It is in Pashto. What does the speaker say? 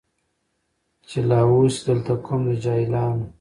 چي لا اوسي دلته قوم د جاهلانو